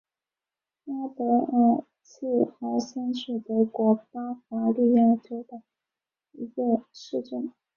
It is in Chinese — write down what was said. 阿德尔茨豪森是德国巴伐利亚州的一个市镇。